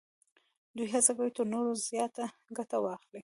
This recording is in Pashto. دوی هڅه کوي تر نورو زیاته ګټه واخلي